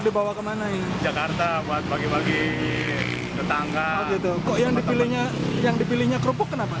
kita harus memiliki pemerhatian yang baik untuk memiliki produk produk yang baik